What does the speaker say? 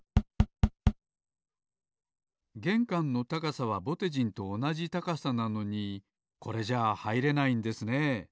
げんかんの高さはぼてじんとおなじ高さなのにこれじゃあはいれないんですね。